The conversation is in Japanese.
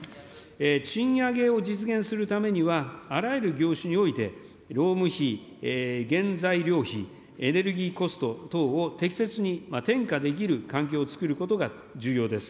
賃上げを実現するためには、あらゆる業種において、労務費、原材料費、エネルギーコスト等を、適切に転嫁できる環境をつくることが重要です。